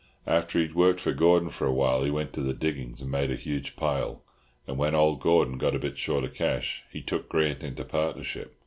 After he'd worked for Gordon for awhile he went to the diggings and made a huge pile; and when old Gordon got a bit short of cash he took Grant into partnership."